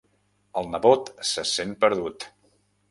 El nebot se sent perdut.